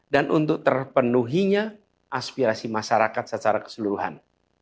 dan untuk terpenuhinya aspirasi masyarakat secara keseluruhan